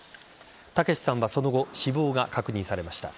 剛さんはその後、死亡が確認されました。